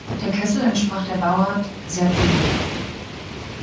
Der Kessel entsprach der Bauart Serpollet.